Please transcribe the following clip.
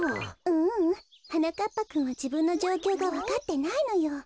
ううんはなかっぱくんはじぶんのじょうきょうがわかってないのよ。